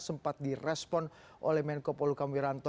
sempat direspon oleh menko poluka miranto